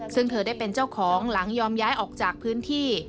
ซึ่งเธอได้เป็นเจ้าของหลังยอมย้ายออกจากพื้นที่